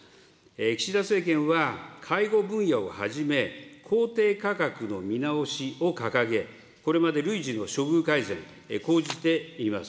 岸田政権は介護分野をはじめ、公定価格の見直しを掲げ、これまで累次の処遇改善、講じています。